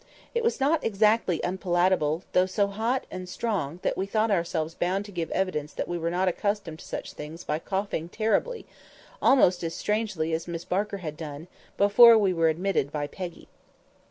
It was not exactly unpalatable, though so hot and so strong that we thought ourselves bound to give evidence that we were not accustomed to such things by coughing terribly—almost as strangely as Miss Barker had done, before we were admitted by Peggy.